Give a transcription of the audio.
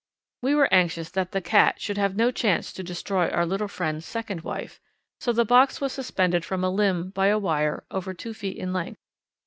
We were anxious that the cat should have no chance to destroy our little friend's second wife, so the box was suspended from a limb by a wire over two feet in length.